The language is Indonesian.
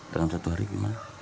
dalam satu hari gimana